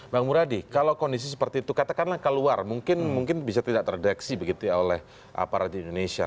bang muradi kalau kondisi seperti itu katakanlah keluar mungkin bisa tidak terdeksi begitu ya oleh aparat di indonesia